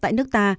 tại nước ta